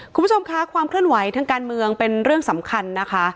คุณผู้ชมค่ะความเคลื่อนไหวทางการเมืองเป็นเรื่องสำคัญนะคะ